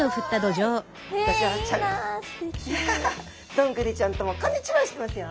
どんぐりちゃんともこんにちはしてますよ。